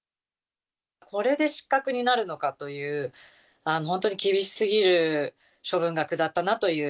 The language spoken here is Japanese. これで失格になるのかという、本当に厳しすぎる処分が下ったなという。